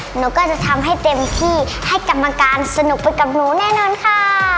หนูก็จะทำให้เต็มที่ให้กรรมการสนุกไปกับหนูแน่นอนค่ะ